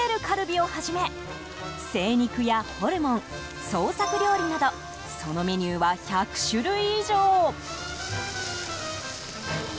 カルビをはじめ精肉やホルモン、創作料理などそのメニューは１００種類以上。